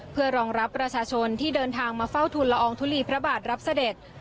เพื่อรองรับประชาชนที่เดินทางมาเฝ้าทุนละอองทุลีพระบาทรับเสด็จ